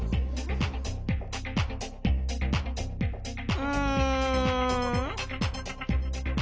うん。